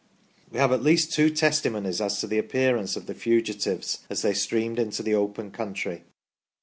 We have at least two testimonies as to the appearance of the fugitives as they streamed into the open country.